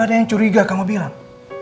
ada yang curiga kamu bilang